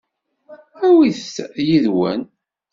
Awit-t yid-wen.